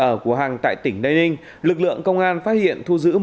ở của hằng tại tỉnh đây ninh lực lượng công an phát hiện thu giữ một